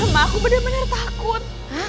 mama aku bener bener takut